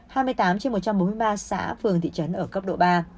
hai mươi tám trên một trăm bốn mươi ba xã phường thị trấn ở cấp độ ba